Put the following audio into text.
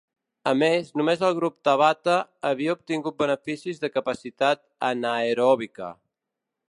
A més, només el grup Tabata havia obtingut beneficis de capacitat anaeròbica.